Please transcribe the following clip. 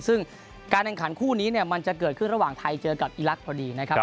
ซึ่งการแข่งขันคู่นี้เนี่ยมันจะเกิดขึ้นระหว่างไทยเจอกับอีลักษณ์พอดีนะครับ